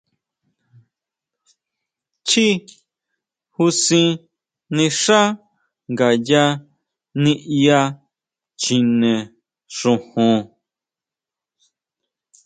Chjií jusin nixá ngayá niʼya chjine xojon.